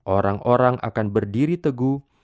orang orang akan berdiri teguh